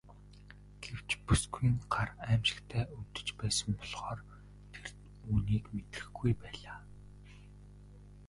Гэвч бүсгүйн гар аймшигтай өвдөж байсан болохоор тэр үүнийг мэдрэхгүй байлаа.